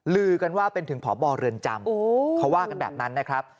ลือกันว่าเป็นถึงพบเรือนจำเขาว่ากันแบบนั้นนะครับ